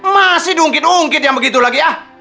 masih ungkit ungkit yang begitu lagi ya